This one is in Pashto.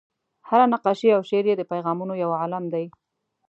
هره نقاشي او شعر یې د پیغامونو یو عالم دی.